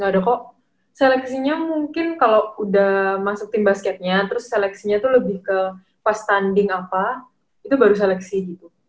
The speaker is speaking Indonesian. ada kok seleksinya mungkin kalau udah masuk tim basketnya terus seleksinya tuh lebih ke pas tanding apa itu baru seleksi gitu